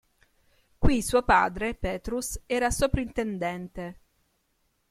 Qui suo padre, Petrus, era soprintendente.